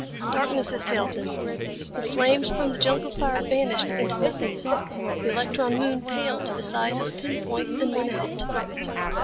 Darkness assailed them. The flames from the jungle fire vanished into nothingness. The electron moon paled to the size of a pin point, then went out.